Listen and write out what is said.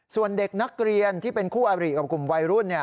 ส่วนเด็กนักเรียนที่เป็นคู่อาริกับกลุ่มวัยรุ่น